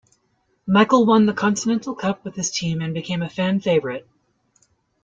Michael won the Continental Cup with his team and became a fan favorite.